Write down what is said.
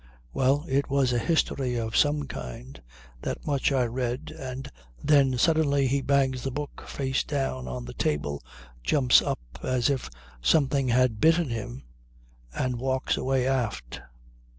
Well, it was a history of some kind, that much I read and then suddenly he bangs the book face down on the table, jumps up as if something had bitten him and walks away aft.